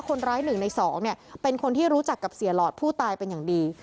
คนร้าย๑ใน๒เป็นคนที่รู้จักกับเสียหลอดผู้ตายเป็นอย่างดี